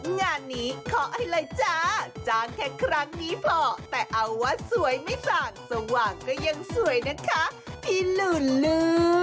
งานนี้ขออะไรจ้าจ้างแค่ครั้งนี้พอแต่เอาว่าสวยไม่ต่างสว่างก็ยังสวยนะคะพี่หลูนลื้อ